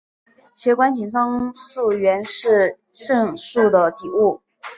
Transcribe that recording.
血管紧张素原是肾素的底物。